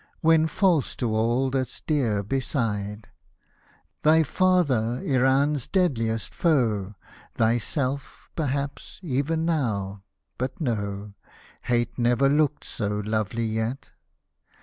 When false to all that's dear beside ! Thy father Iran's deadliest foe — Thyself, perhaps, even now — but no Hate never looked so lovely yet